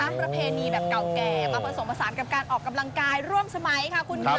ประเพณีแบบเก่าแก่มาผสมผสานกับการออกกำลังกายร่วมสมัยค่ะคุณค่ะ